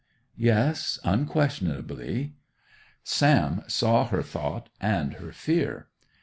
'Yes. Unquestionably.' Sam saw her thought and her fear.